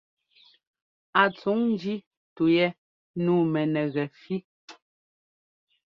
A tsuŋ ńjí tu yɛ. Nǔu mɛnɛgɛfí.